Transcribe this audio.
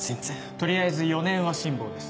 取りあえず４年は辛抱です。